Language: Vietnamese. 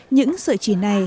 những sự chỉ này